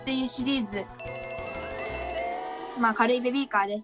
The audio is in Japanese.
軽いベビーカーです。